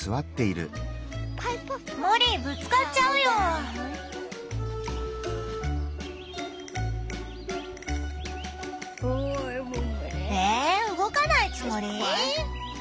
モリーぶつかっちゃうよ。え動かないつもり？